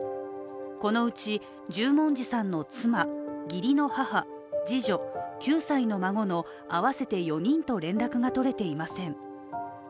このうち十文字さんの妻、義理の母、次女、９歳の孫の合わせて４人と連絡が取れていません。